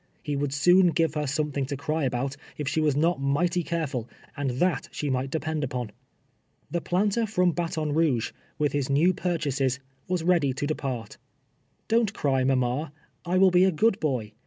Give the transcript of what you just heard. lie wouhl situn give her something to cry about, if she was not mighty careful, and tlmt she might depend upon. The planter from Baton Kouge, with his new pur chases, was ready to depart. " Don't cry, mama. I will be a good boy.